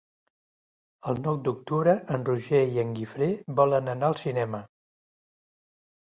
El nou d'octubre en Roger i en Guifré volen anar al cinema.